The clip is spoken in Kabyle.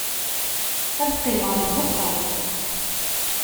Ad qqimeɣ deg uxxam.